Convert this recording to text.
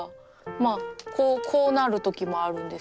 こうなる時もあるんですけど。